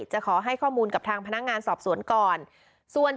จะขอให้ข้อมูลกับทางพนักงานสอบสวนก่อน